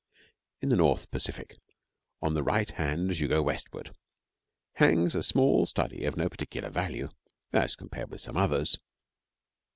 In the North Pacific, to the right hand as you go westward, hangs a small study of no particular value as compared with some others.